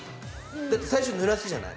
だって最初ぬらすじゃない？